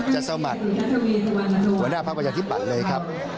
จะสมัครหัวหน้าพักประชาธิปัตย์เลยครับ